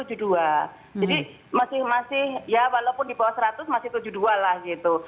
jadi masih masih ya walaupun di bawah seratus masih tujuh puluh dua lah gitu